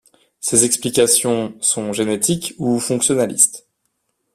Ces explications sont génétiques ou fonctionnalistes.